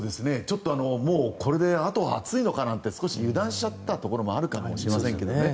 もうこれであと暑いのかなと少し油断しちゃったところもあるかもしれませんけどね。